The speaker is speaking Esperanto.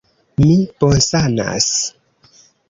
Mi bonsanas!